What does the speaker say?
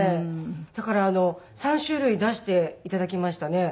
だから３種類出していただきましたね。